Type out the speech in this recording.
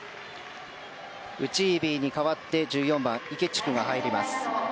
ウチービーに代わって１４番、イケチュクが入ります。